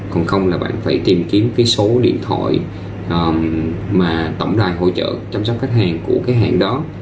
còn không là bạn phải tìm kiếm cái số điện thoại mà tổng đài hỗ trợ chăm sóc khách hàng của cái hãng đó